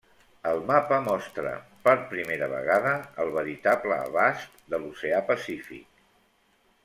El mapa mostra, per primera vegada el veritable abast de l'Oceà Pacífic.